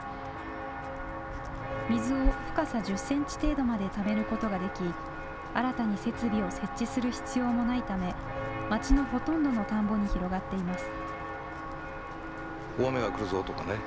水を深さ１０センチ程度までためることができ、新たに設備を設置する必要もないため町のほとんどの田んぼに広がっています。